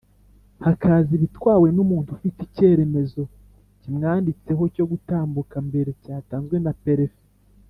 hakaza ibitwawe n’umuntu ufite icyeremezo kimwanditseho cyo gutambuka mbere cyatanzwe na Perefe